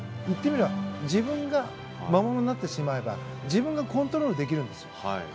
言ってみれば自分が魔物になってしまえば自分がコントロールできるんですよ。